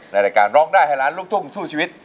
รายการร้องได้ให้ล้านลูกทุ่งสู้ชีวิต